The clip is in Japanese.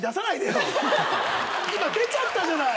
今出ちゃったじゃない！